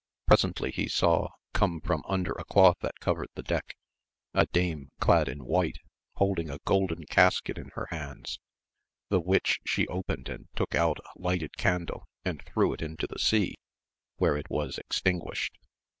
Presently he saw come from under a cloth that covered the deck a dame clad in white, holding a golden casket in her hands, the which she opened and took out a lighted candle and threw it into the sea, where it was extinguished.